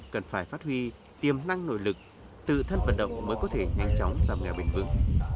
cần phải phát huy tiềm năng nội lực tự thân vận động mới có thể nhanh chóng giảm nghèo bền vững